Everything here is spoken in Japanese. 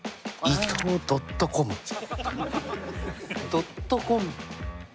ドットコム。